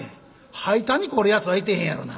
歯痛に凝るやつはいてへんやろな。